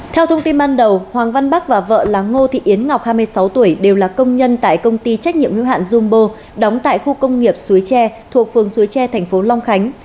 theo thông tin ban đầu hoàng văn bắc và vợ láng ngô thị yến ngọc hai mươi sáu tuổi đều là công nhân tại công ty trách nhiệm hữu hạn jumbo đóng tại khu công nghiệp xuối tre thuộc phường xuối tre thành phố long khánh